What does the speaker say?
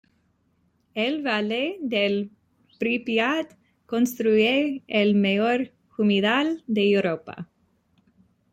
El valle del Prípiat constituye el mayor humedal de Europa.